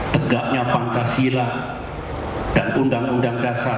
tegaknya pancasila dan undang undang dasar seribu sembilan ratus empat puluh lima